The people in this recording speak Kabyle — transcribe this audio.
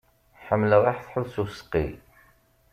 Ḥemmleɣ aḥetḥut s useqqi.